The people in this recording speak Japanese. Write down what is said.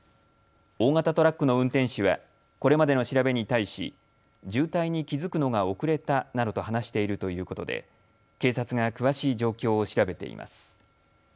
大型トラックの運転手はこれまでの調べに対し渋滞に気付くのが遅れたなどと話しているということで警察が詳しい状況を調べています。